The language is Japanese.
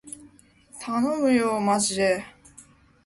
たのむよーまじでー